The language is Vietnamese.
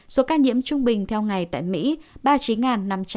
số ca nhiễm trung bình theo ngày tại mỹ ba mươi chín năm trăm hai mươi một ca